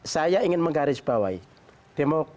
saya ingin menggarisbawahi